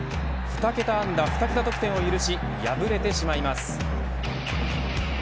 ２桁安打２桁得点を許し破れてしまいます。